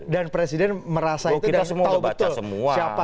dan presiden merasa itu dan tahu betul siapa orang orangnya